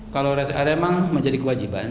kalau rest area memang menjadi kewajiban